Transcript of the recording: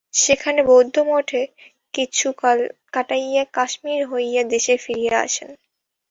সেখানে বৌদ্ধমঠে কিছুকাল কাটাইয়া কাশ্মীর হইয়া দেশে ফিরিয়া আসেন।